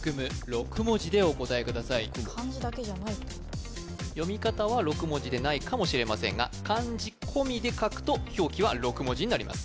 ６文字でお答えください・漢字だけじゃないってこと読み方は６文字でないかもしれませんが漢字込みで書くと表記は６文字になります